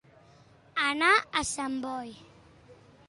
Anar a Sant Boi.